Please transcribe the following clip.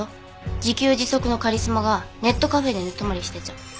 自給自足のカリスマがネットカフェで寝泊まりしてちゃ。